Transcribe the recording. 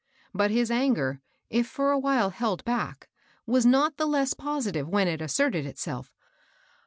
But his anger, if for a while held back, was not the less positive wj^en it asserted itself.